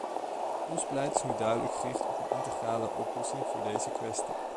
Ons beleid is nu duidelijk gericht op een integrale oplossing voor deze kwestie.